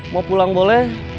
mau pulang boleh